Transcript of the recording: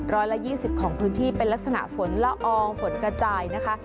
ร้อยละ๒๐ของพื้นที่เป็นลักษณะฝนละอองฝนกระจายนะคะ